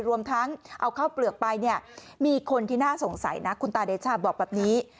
รวมทั้งเอาข้าวเปลือกไปเนี่ยมีคนที่น่าสงสัยนะคุณตาเดชาบอกแบบนี้